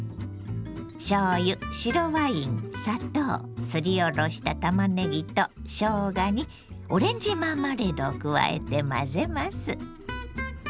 しょうゆ白ワイン砂糖すりおろしたたまねぎとしょうがにオレンジマーマレードを加えて混ぜます。